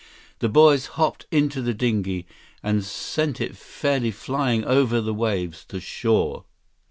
The boys hopped into the dinghy and sent it fairly flying over the waves to shore.